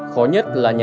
khó nhất là nhà